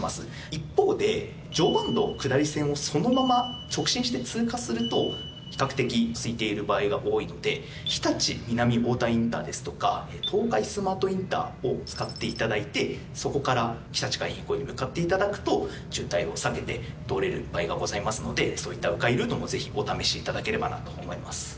一方で常磐道下り線をそのまま直進して通過すると比較的空いている場合が多いので日立南太田インターですとか東海スマートインターを使っていただいてそこからひたち海浜公園に向かっていただくと渋滞を避けて通れる場合がございますのでそういった迂回ルートもお試しいただければと思います。